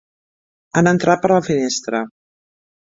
Han entrat per la finestra.